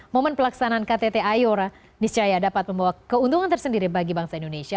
momen pelaksanaan ktt iora niscaya dapat membawa keuntungan tersendiri bagi bangsa indonesia